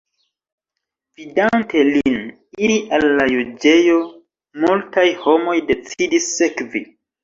Vidante lin iri al la juĝejo, multaj homoj decidis sekvi.